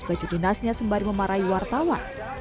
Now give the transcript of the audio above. baju dinasnya sembari memarahi wartawan